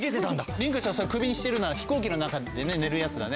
凜香ちゃんそれ首にしてるのは飛行機の中で寝るやつだね。